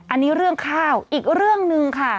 อันนี้เรื่องข้าวอีกเรื่องหนึ่งค่ะ